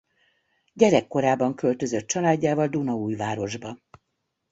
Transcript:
Gyerekkorában költözött családjával Dunaújvárosba.